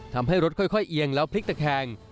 ทำให้รถค่อยเอียงแล้วพลิกตะแคง